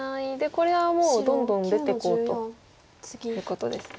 これはもうどんどん出ていこうということですね。